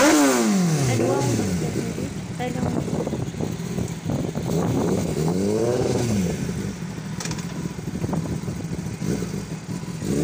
Anwa ur nettamen ul-is ala ungif.